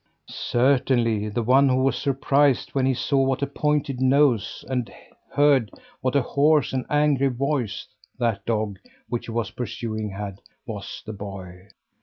Certainly the one who was surprised when he saw what a pointed nose, and heard what a hoarse and angry voice that dog which he was pursuing had, was the boy!